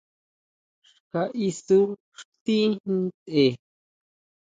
Xka isú xtí tʼen.